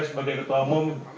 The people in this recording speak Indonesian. sebagai ketua umum